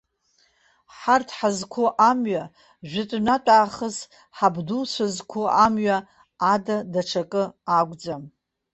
Ҳарҭ ҳазқәу амҩа, жәытәнатә аахыс ҳабдуцәа зқәу амҩа ада даҽакы акәӡам.